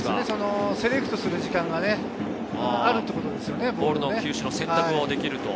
セレクトする時間があるということですね。